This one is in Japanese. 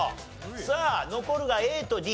さあ残るがＡとＤ。